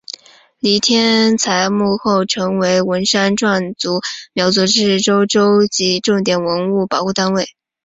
黎天才墓后来成为文山壮族苗族自治州州级重点文物保护单位。